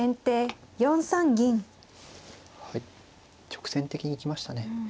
直線的に行きましたね。